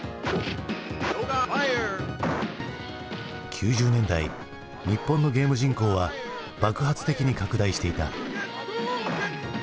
９０年代日本のゲーム人口は爆発的に拡大していた。